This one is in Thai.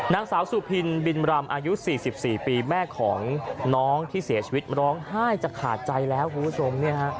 นางสาวสุพินบินรำอายุ๔๔ปีแม่ของน้องที่เสียชีวิตร้องไห้จะขาดใจแล้วคุณผู้ชม